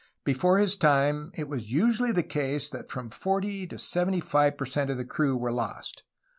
Before his time it was usually the case that from forty to seventy five per cent of the crew were lost.